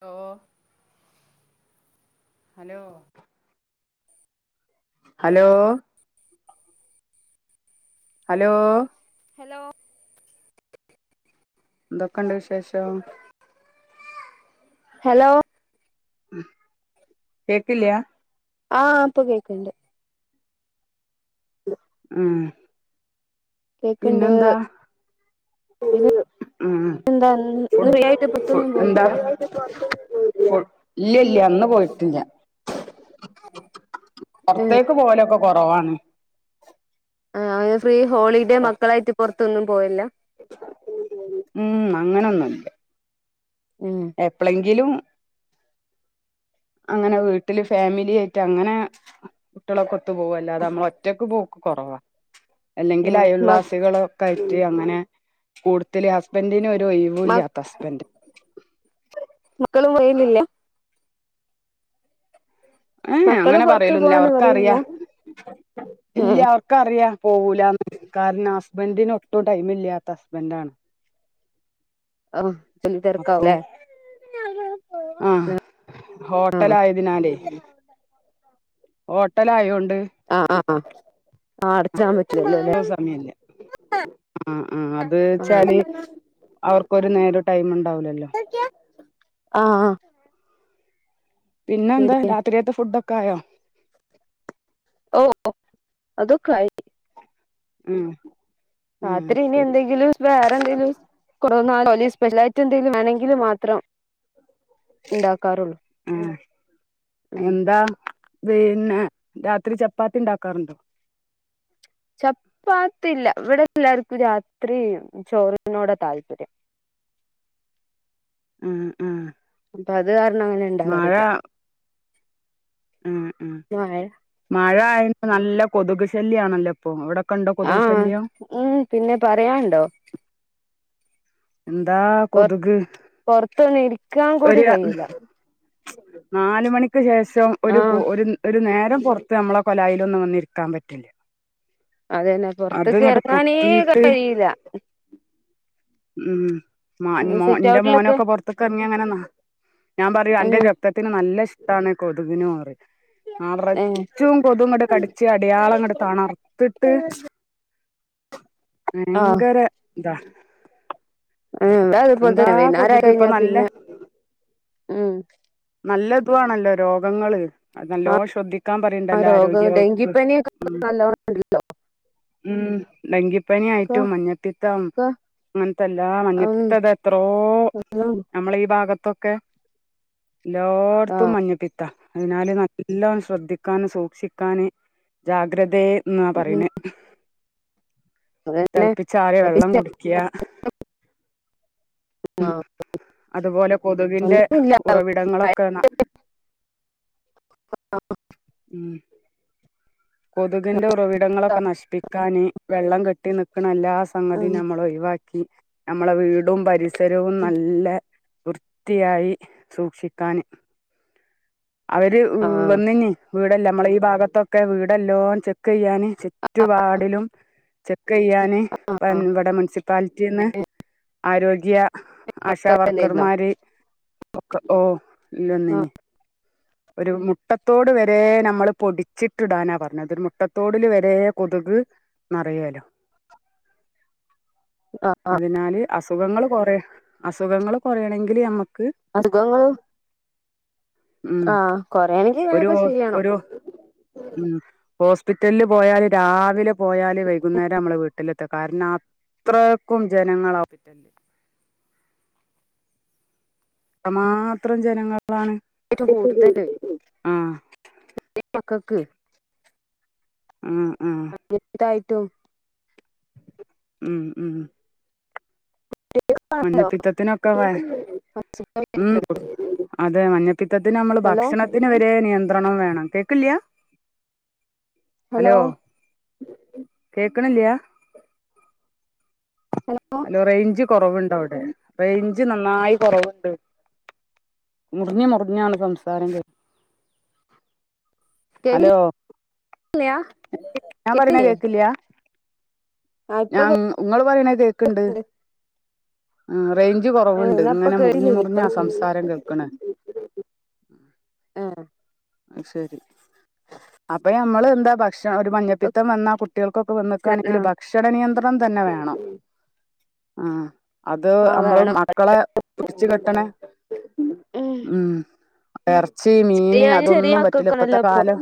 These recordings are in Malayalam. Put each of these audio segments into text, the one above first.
ഹലോ ഹലോ ഹലോ ഹലോ എന്തൊക്കെ ഇണ്ട് വിശേഷം? ഹലോ കേക്കില്ല്യാ ആ ഇപ്പൊ കേക്ക്ണ്ട് ഉം കേക്ക്ണ്ട് പിന്നെന്താ ഫു പിന്നെ എന്താ ഇന്ന് ഫ്രീ ആയിട്ട് പുറത്തൊന്നും ഫുഡ്‌ എന്താ പോയില്ല ഫുഡ് ഇല്ല ഇല്ല ഇന്ന് പോയിട്ടില്ല പുറത്തേക്ക് പോവലൊക്കെ കൊറവാണ് ആ [unintelligible] ഫ്രീ ഹോളിഡേ മക്കളായിട്ട് പുറത്ത് ത്തൊന്നും പോയില്ല ഉം അങ്ങനൊന്നുല്ല ഉം എപ്പളെങ്കിലും അങ്ങനെ വീട്ടില് ഫാമിലി ആയിട്ട് അങ്ങനെ കുട്ട്യാളൊക്കെ പോവല്ലാതെ നമ്മൾ ഒറ്റക്ക് പോക്ക് കുറവാ അല്ലെങ്കിൽ ഉം മ അയൽവാസികളൊക്കെ ആയിട്ട് ട്ടങ്ങനെ കൂട്ടത്തിൽ ഹസ്ബൻഡ് ന് മ ഒരൊഴിവൂല്ലാത്തസ്ബൻറ് ലില്ല ഏ ഏ മക്കള് അങ്ങനെ പുറത്ത് പറയലോന്നും ല്ല പോവാന്ന് പറയില്ല അവർക്കറിയാ ഇല്ല ഉം അവർക്കറിയാ പോകൂലാന്ന് കാരണം ഹസ്ബൻഡിന് ഒട്ടും ടൈമില്ലാത്ത ഹസ്ബൻഡാണ് ആ വല്ല്യാ അപ്പൊ തെരക്കാവൂല്ലേ [unintelligible] ആ ഹോട്ടലായതിനാലേ ഹോട്ടലായോണ്ട് ആഹ് ആഹ് ആഹ് ആഹ് അടച്ചിടാൻ ണ്ട് പറ്റില്ലല്ലോല്ലേ ഒട്ടുംസമയില്ല ആ ആ അത്ച്ചാൽ ആഹ് അവർക്ക് നോരോ ടൈംണ്ട് ണ്ടാവൂലല്ലോ ആഹ്ഹ പിന്നെ എന്ത രാത്രിയത്തെ ഫുഡൊ ക്കായോ ഓ ഓ അതൊക്കായി ഉം ഉം രാത്രി അത് ഇനി ശരി എന്തെങ്കിലും വേറെ എന്തെലും കൊറ നാല സ്പെഷ്യൽ ആയിട്ട് ലും വേണങ്കിൽ മാത്രം ഉണ്ടാക്കാറുള്ളൂ ഉം ഉം എന്താ പിന്നെ രാത്രി ചപ്പാത്തി ഉണ്ടാക്കാറുണ്ടോ ചപ്പാത്തില്ല ഇവിടെ എല്ലാർക്കും രാത്രി ചോറിനോടെ താല്പര്യം ഉം ഉം അപ്പ അത് ആർ അങ്ങനെ ഉണ്ടാകാറില്ല ഉം ഉം മഴ മഴ ആയ നല്ല കൊതുക് ശല്യ ആണല്ലേ ഇപ്പൊ അവിടെ ആഹ് ഉം പിന്നെ പറയാനണ്ടോ എന്താ പ കൊതുക് പൊറത്തൊന്ന ഇരിക്കാൻ കൂടി ഒരു കഴിയില നാല് മണി ശേഷം ആഹ് ഒരു നേ പുറത്ത് നമ്മളെ കൊലായിലൊന്നും ഒന്നും ഇരിക്കാൻ പറ്റില്ല അതന്നെ അത് പുറത്തക്ക് ഇങ്ങട്ട് ഇറങ്ങാനേ കുത്തിയിട്ട് കഴിയില്ല ഉം മ മോ സിറ്റ് എന്റെ ഔട്ടിലൊക്കെ മോനൊക്കെ പുറത്തക്ക ഇറങ്ങി അങ്ങനെന ഞാൻ പറയൂ എന്റെ ഏഹ് രക്തത്തിന് നല്ല ട്ടാണ് കൊതുുകിനും മാറി ഏഹ് നിറച്ചു കൊതുങ്ങട്ട് കടിച്ച് അടയാളങ്ങട്ട് തണർത്തിട്ട് ഭയങ്കര വഹ് ഉ അതുപലെ തന്നെ വൈന്നാരയി കൊതുക് ഇപ്പൊ കഴിഞ്ഞാ നല്ല പിന്നെ ഉം തുവാണല്ലോ രോഗങ്ങള് അത് നല്ലോ ശ്രദ്ധിക്കാൻ ആ പറയണ്ടല്ലോ രോഗം ആരോഗ്യവകുപ്പ് ഡെങ്കിപ്പനിയൊക്കെ നല്ലോണം ഉം ഡെങ്കിപ്പനി ക്കെ ആയിട്ടും മഞ്ഞപ്പിത്തം ക്കെ അങ്ങനത്തല്ല മഞ്ഞപ്പിത്തോ ഇതു എത്രോ ഉം നമ്മള ഈ ഭാഗ ത്തൊക്കെ എല്ലോടത്തും ആഹ് മഞ്ഞപ്പിത്ത അതിനാല് നല്ല ശ്രദ്ധിക്കാന് സൂക്ഷിക്കാന് ജാഗ്രതയെ എന്നാ ഉം പറയുന്നത് അതന്നെ തിളപ്പിച്ച ആറിയ വെള്ളം കുടി ക്കിയ ഉം അതുപോലെ കൊതുവിന്റെ ഒന്നുമില്ല ഉറവിടങ്ങളൊക്കെ ന ഉം കൊതുകിന്റെ ഉറവിടങ്ങളൊക്കെ നശിപ്പിക്കാന് വെള്ളം കെട്ടി കെട്ടി നിക്കണ് എല്ലാ സംഗതിയും ഉം നമ്മൾ ഒഴിവാക്കി നമ്മളെ വീടും പരിസ സരവും നല്ല വൃത്തിയായി സൂക്ഷിക്കാന് അവര് ആഹ് വന്നിന്ന്‌ വീടെല്ലാം നമ്മള ഈ ഭാഗത്തൊക്കെ വീടെല്ലോം ചെക്ക് ചെയ്യാന് ചുറ്റുപാടിലും ചെയ്യാന് ഇവിടെ മുനിസിപ്പാലിറ്റിന്ന് ആരോഗ്യ [inaudible] ആശ ണ്ടായിരുന്നോ വർക്കർമാര് ഒക്കെ ഓ ആഹ് ഇല്ലൊന്നിന് ഒരു മുട്ടത്തോട് വരെ നമ്മള് പൊടിച്ചിട്ടിടാനാ പറഞ്ഞത് അതൊരു മുട്ടത്തോടില് വരെ കൊതുക് നിറയോല്ലൊ ആഹ് അതിനാല് അസു അസുഖങ്ങൾ കുറെ അസുഖങ്ങൾ കുറയാണെങ്കിൽ ഞമ്മൾ അത് ഗോ ഉം ഒരു ഇങ്ങനെയൊക്കെ ഓ ചെയ്യണം ഒരു ഹോസ്പിറ്റലും പോയാല് രാവിലെ പോയാല് വൈകുന്നേരം നമ്മള് വീട്ടിലെത്ത കാരണം അത്രക്കും ജനങ്ങള അത്ര മാത്രം ജനങ്ങൾ [unintelligible] ആ യതീം മക്കക്ക് ആഹ് ആഹ് അഡ്മിറ്റായി ട്ടും ഉം ഉം മഞ്ഞപ്പിത്തത്തിനൊക്കെ വയ ഉം അതെ മഞ്ഞപ്പിത്തത്തിന് നമ്മള് ഹലോ ഭക്ഷണത്തിന് വരെ നിയന്ത്രണം വേണം കേൾക്കില്ല ഹലോ കേക്കണില്ലാ ഹലോ അലോ റെയ്ഞ്ചും കുറവുണ്ട് അവിടെ റേഞ്ച് നന്നായി കുറവുണ്ട് മുറിഞ്ഞു മുറിഞ്ഞാണ് സംസാര ഹലോ കേക്കില്ല്യ ഞാൻ പറയുന്ന കേക്കില്ലേ കേക്കലയാ ആഹ് ഇപ്പൊ ഞാങ്ങ് ങ്ങ്ങ്ങള്പറയണേ കേക്കണ്ട് കേക്ക്ണ്ട് ആ റേഞ്ച് ഏഹ് കുറവുണ്ട് എന്നാ ഇപ്പൊ ഇങ്ങനെ മുറിഞ്ഞ് കേട്ടില്ലേനി ഇപ്പൊ മുറിഞ്ഞാ കേക്ക്ണ്ട് സംസാരം കേൾക്കണേ ഏഹ് ശരി അപ്പയമ്മള് എന്തപ്പ ക്ഷണം ഒരു മഞ്ഞപ്പിത്തം വന്ന കുട്ട്യേൾക്കൊക്കെ ആഹ് വന്നക്കാണെങ്കിൽ ഭക്ഷണ നിയന്ത്രണം പ്പം തന്നെ വേണം ആ അത് ആഹ് അമ്മള് വേണം മക്കളെ പിടിച്ച് കെട്ടണേ ഉം എർച്ചി മീന് ചെറിയ അ ചെറിയ തൊന്നും പറ്റുല ഇപ്പത്തെ മക്കക്കാണല്ലോ ഇപ്പൊ കാലം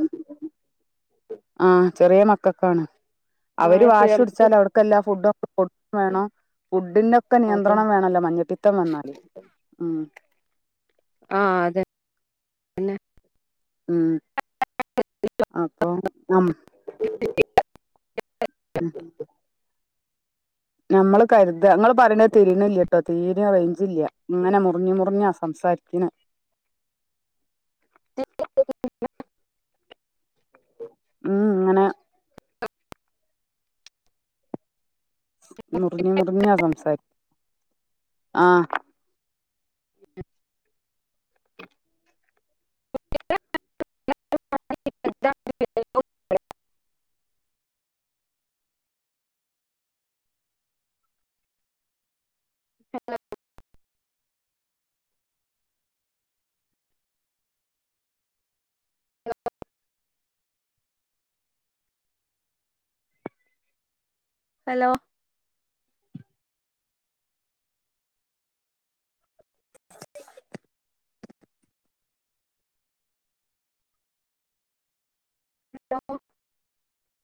ആ ചെറിയ മക്കക്കാണ് ആഹ് അവര് എപ്പഴും വാശി നമുക്ക് ട്ച്ചാല് അവർക്കെല്ലാ ഫുഡു ഒക്കെ കൊടുക്കും വേണം ഫുഡിന്റെക്കെ അതെ നിയന്ത്രണം വേണല്ലോ മഞ്ഞപിത്ത ത്തം മണ്ണ് അടി ഉംഹ് ആഹ്‌ ആഹ് അതെ എന്നെ ഉംഹ് [unintelligible] ഉം അം [unintelligible] മ്മള് കര്ത ങ്ങള് പറണെ തിരിണില്ലട്ടോ തീരെ റേഞ്ചില്ല ഇങ്ങനെ മുറിഞ്ഞു മുറിഞ്ഞാ സംസാരിക്ക്ണെ ഉംഹ് ങ്ങനെ മുറഞ്ഞ് മുറിഞ്ഞ സം സയ് ആഹ് [unintelligible] [unintelligible] ഹലോ [unintelligible]